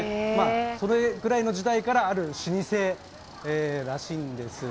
それぐらいの時代からある老舗らしいんです。